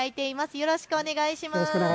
よろしくお願いします。